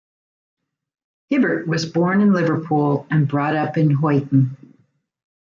Hibbert was born in Liverpool and brought up in Huyton.